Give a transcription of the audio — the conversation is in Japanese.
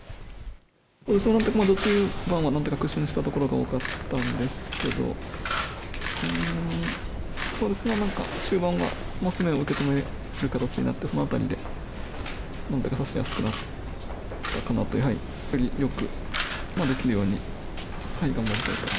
序中盤はなんとか、苦心したところが多かったんですけど、そうですね、なんか、終盤は攻めを受け止める形になって、そのあたりでなんだか指しやすくなったかなと。を獲得する叡王戦五番勝負。